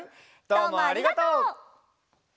どうもありがとう！